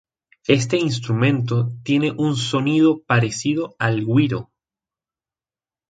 Este instrumento tiene un sonido parecido al güiro.